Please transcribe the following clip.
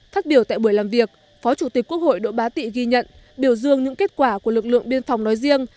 phát biểu tại buổi làm việc phó chủ tịch quốc hội đỗ bá tị ghi nhận biểu dương những kết quả của lực lượng biên phòng nói riêng